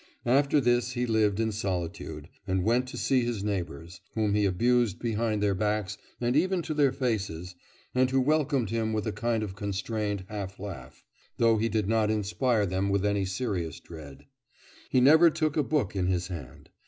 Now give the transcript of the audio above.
After this he lived in solitude, and went to see his neighbours, whom he abused behind their backs and even to their faces, and who welcomed him with a kind of constrained half laugh, though he did not inspire them with any serious dread. He never took a book in his hand.